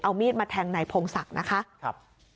เอามีดมาแทงนายพงศักดิ์นะคะ